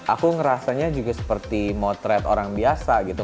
aku ngerasanya juga seperti motret orang biasa gitu